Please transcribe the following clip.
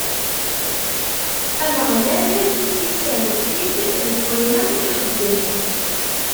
Ameɣlal isserbeḥ-it deg wayen akk ixeddem.